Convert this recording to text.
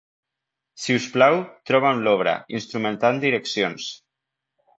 Si us plau, troba'm l'obra, Instrumental Directions.